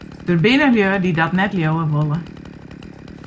Der binne lju dy't dat net leauwe wolle.